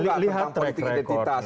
anda tahu gak tentang politik identitas